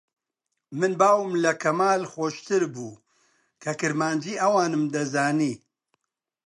من باوم لە کەمال خۆشتر بوو کە کرمانجیی ئەوانم دەزانی